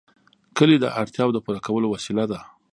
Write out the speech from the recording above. کلي د اړتیاوو د پوره کولو وسیله ده.